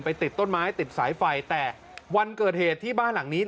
ติดต้นไม้ติดสายไฟแต่วันเกิดเหตุที่บ้านหลังนี้